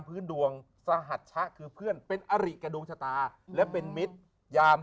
พื้นดวงสหัสชะคือเพื่อนเป็นอริกับดวงชะตาและเป็นมิตรยาม